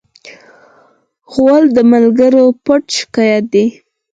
غول د ملګرو پټ شکایت دی.